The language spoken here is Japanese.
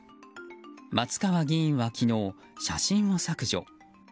松川議員は昨日、写真を削除。